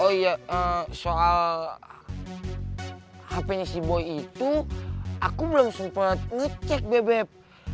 oh iya soal hpnya si boy itu aku belum sempet ngecek bebep